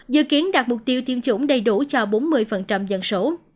dự kiến đạt mục tiêu tiêm chủng đầy đủ cho bốn mươi dân số